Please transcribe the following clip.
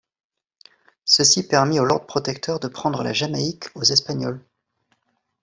Ceci permit au Lord Protecteur de prendre la Jamaïque aux Espagnols.